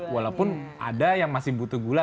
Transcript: walaupun ada yang masih butuh gula